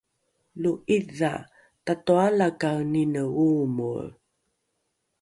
lo’idha tatoalakaenine oomoe